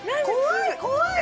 怖い！